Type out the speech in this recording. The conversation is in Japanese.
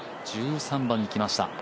１３番にきました